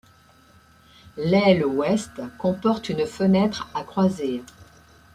L'aile ouest comporte une fenêtre à croisée.